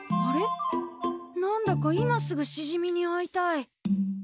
何だか今すぐしじみに会いたい！